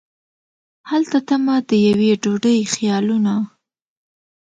هلته تمه د یوې ډوډۍ خیالونه